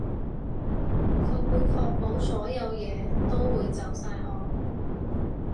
佢會確保所有嘢都會就晒我